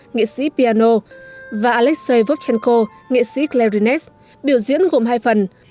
nghệ sĩ piano và alexei vochenko nghệ sĩ clarinets biểu diễn gồm hai phần